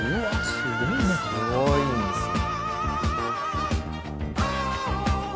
すごいんですよ。